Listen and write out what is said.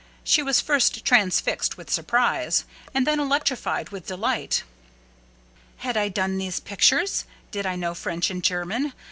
She was first transfixed with surprise, and then electrified with delight. "Had I done these pictures? Did I know French and German?